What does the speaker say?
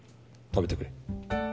食べてくれ。